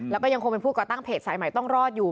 แล้วก็ยังคงเป็นผู้ก่อตั้งเพจสายใหม่ต้องรอดอยู่